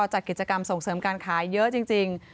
จัดกิจกรรมส่งเสริมการขายเยอะจริง